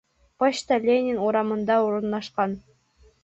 Почта Ленин урамында урынлашҡан